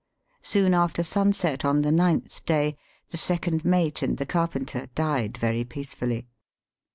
Soon after sunset on the ninth day, the second mate and the carpenter died very peacefully.